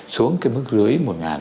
xuống cái mức dưới một